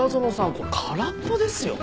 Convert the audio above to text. これ空っぽですよ。